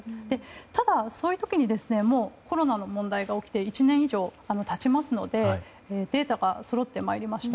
ただ、そういう時にコロナの問題が起きて１年以上経ちますのでデータがそろってまいりました。